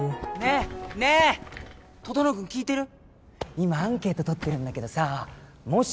今アンケート取ってるんだけどさもし